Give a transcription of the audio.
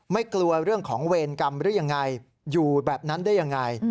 กลัวเรื่องของเวรกรรมหรือยังไงอยู่แบบนั้นได้ยังไง